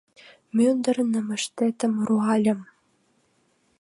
Мӱндыр нымыштетым руальым